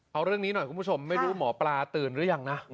เอาเรื่องนี้หน่อยคุณผู้ชมไม่รู้หมอปลาตื่นหรือยังนะ